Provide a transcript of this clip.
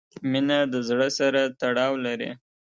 • مینه د زړۀ سره تړاو لري.